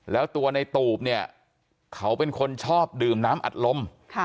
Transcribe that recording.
แล้วตัวในตูบเนี่ยเขาเป็นคนชอบดื่มน้ำอัดลม